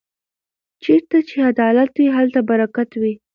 چېرته چې عدالت وي هلته برکت وي.